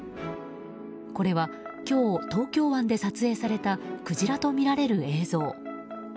これは今日、東京湾で撮影されたクジラとみられる映像。